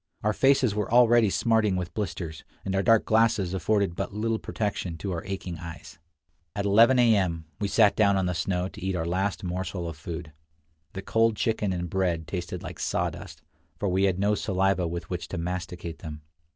Our faces were already smarting with blisters, and our dark glasses afforded but little protection to our aching eyes. At 1 1 A. M. we sat down on the snow to eat our last morsel of food. The cold chicken and bread tasted like sawdust, for we II 69 had no saliva with which to masticate them.